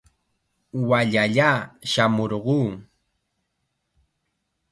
Wallalla shamurquu.